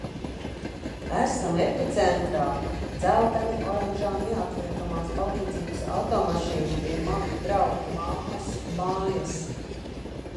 Esam epicentrā! Dzelteni oranžā neatliekamās palīdzības automašīna pie manu draugu mammas mājas.